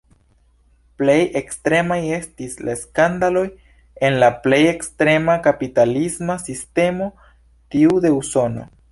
Plej ekstremaj estis la skandaloj en la plej ekstrema kapitalisma sistemo, tiu de Usono.